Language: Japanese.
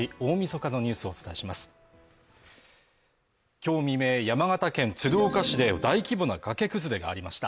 今日未明、山形県鶴岡市で大規模な崖崩れがありました。